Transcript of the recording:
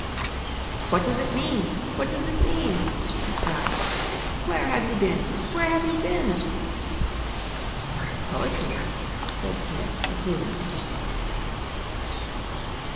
'What does it mean? What does it mean?' he cried. 'Where have you been? Where have you been?' 'Poetry,' said Psmith approvingly.